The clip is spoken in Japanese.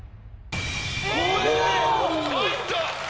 入った！